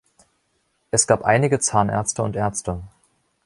Es gab einige Zahnärzte und Ärzte.